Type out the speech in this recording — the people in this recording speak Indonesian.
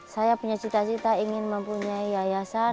saya punya cita cita ingin mempunyai yayasan